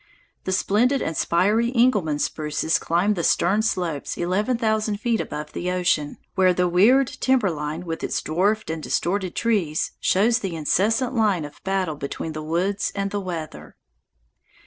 The splendid and spiry Engelmann spruces climb the stern slopes eleven thousand feet above the ocean, where weird timber line with its dwarfed and distorted trees shows the incessant line of battle between the woods and the weather.